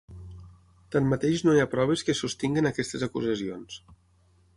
Tanmateix no hi ha proves que sostinguin aquestes acusacions.